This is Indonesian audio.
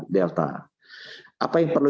delta apa yang perlu